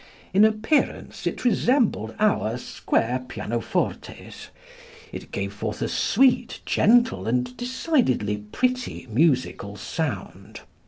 In appearance it resembled our square pianofortes. It gave forth a sweet, gentle and decidedly pretty musical sound.